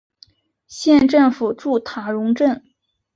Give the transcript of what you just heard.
县政府驻塔荣镇。